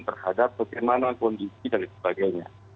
terhadap bagaimana kondisi dan sebagainya